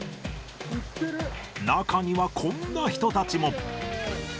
中にはこんな人たちも。